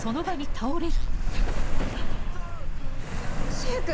柊君